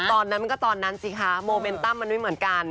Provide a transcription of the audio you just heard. ตอนนั้นมันก็ตอนนั้นสิคะโมเมนตั้มมันไม่เหมือนกัน